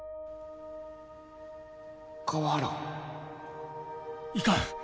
川原いかん！